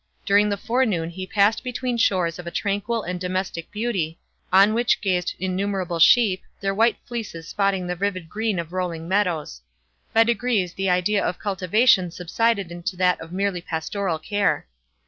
During the forenoon he passed between shores of a tranquil and domestic beauty, on which grazed innumerable sheep, their white fleeces spotting the vivid green of rolling meadows. By degrees the idea of cultivation subsided into that of merely pastoral care.